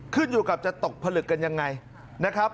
ขึ้นอยู่กับจะตกผลึกกันยังไงนะครับ